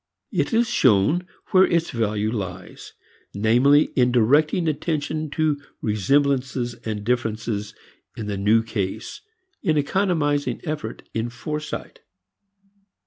It is shown where its value lies, namely, in directing attention to resemblances and differences in the new case, in economizing effort in foresight.